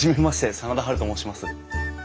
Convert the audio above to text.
真田ハルと申します。